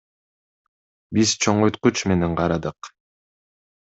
Биз чоңойткуч менен карадык.